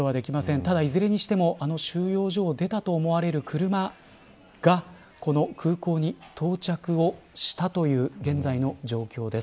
ただいずれにしてもあの収容所を出たと思われる車がこの空港に到着をしたという現在の状況です。